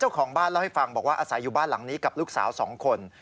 เจ้าของบ้านเล่าให้ฟังบอกว่าอาศัยอยู่บ้านหลังนี้กับลูกสาว๒คน